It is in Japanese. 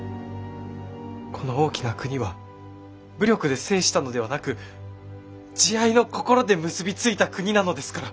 この大きな国は武力で制したのではなく慈愛の心で結び付いた国なのですから。